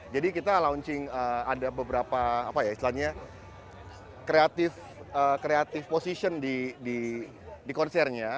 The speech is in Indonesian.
jadi kita launching ada beberapa kreatif position di konsernya